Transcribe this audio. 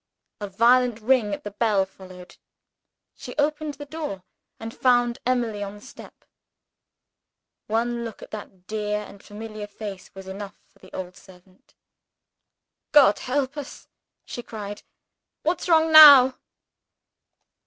A violent ring at the bell followed. She opened the door and found Emily on the steps. One look at that dear and familiar face was enough for the old servant. "God help us," she cried, "what's wrong now?"